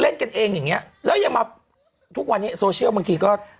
เล่นกันเองอย่างเงี้ยแล้วยังมาทุกวันนี้โซเชียลบางทีก็